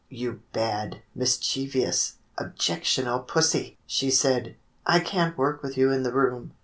"You bad, mischievous, objectionable pussy!" she said. "I can't work with you in the room."